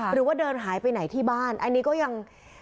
หรือว่าเดินหายไปไหนที่บ้านอันนี้ก็ยัง